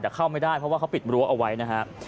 แต่เข้าไม่ได้เพราะว่าเขาปิดรั้วเอาไว้นะฮะ